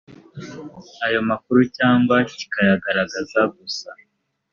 ayo makuru cyangwa kikayagaragaza gusa